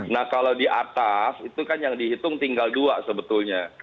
nah kalau di atas itu kan yang dihitung tinggal dua sebetulnya